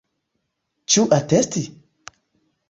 Ĉu atesti?